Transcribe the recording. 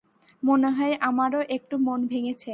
মনে হয় আমারো একটু মন ভেঙেছে।